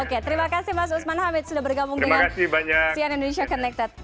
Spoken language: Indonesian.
oke terima kasih mas usman hamid sudah bergabung dengan cnn indonesia connected terima kasih banyak